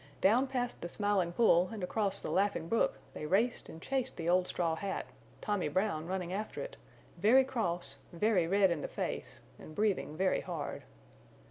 Down past the Smiling Pool and across the Laughing Brook they raced and chased the old straw hat, Tommy Brown running after it, very cross, very red in the face, and breathing very hard.